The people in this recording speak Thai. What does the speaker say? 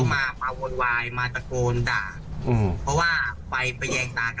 แล้วเขามาวลวายมาตะโกนด่าเพราะว่าไปแต็งตา